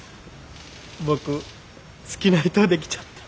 僕好きな人できちゃった。